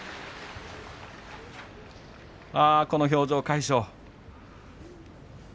この表情の魁勝。